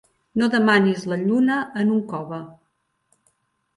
No demanis la lluna en un cove.